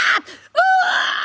「うわ！